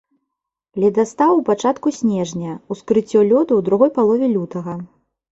Ледастаў у пачатку снежня, ускрыццё лёду ў другой палове лютага.